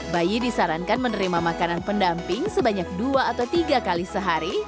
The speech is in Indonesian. bayi disarankan menerima makanan pendamping sebanyak dua atau tiga kali sehari